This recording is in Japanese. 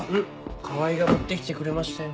川合が持って来てくれましたよ。